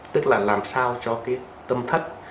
tức là làm sao cho cái tâm thất